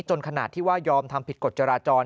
จนขนาดที่ว่ายอมทำผิดกฎจราจร